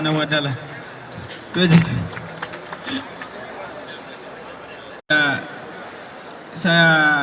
saya sudah ini